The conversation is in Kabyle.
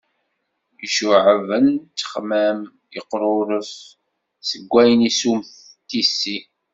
Iccuɛben ttexmam yeqruref seg wayen isummet d tissi.